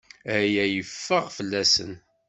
Aya yeffeɣ fell-asen.